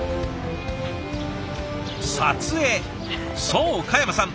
そう嘉山さん